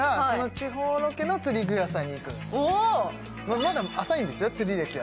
まだ浅いんですよ、釣り歴は。